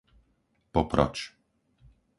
Poproč